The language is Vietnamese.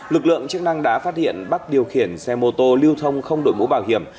lực lượng chức năng đã phát hiện bắc điều khiển xe mô tô lưu thông không đội mũ bảo hiểm